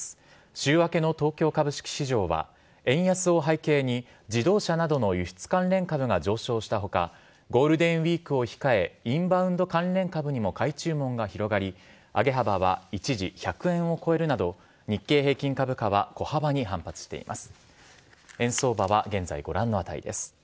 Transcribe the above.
週明けの東京株式市場は円安を背景に、自動車などの輸出関連株が上昇したほか、ゴールデンウィークを控え、インバウンド関連株にも買い注文が広がり、上げ幅は一時１００円を超えるなど、日経平均株価は小幅に反発しています。